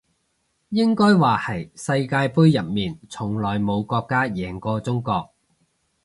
應該話係世界盃入面從來冇國家贏過中國